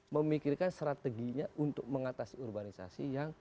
memikirkan strateginya untuk mengatasi urbanisasi yang